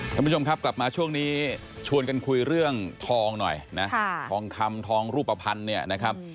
ท่านผู้ชมครับกลับมาช่วงนี้ชวนกันคุยเรื่องทองหน่อยนะทองคำทองรูปภัณฑ์เนี่ยนะครับ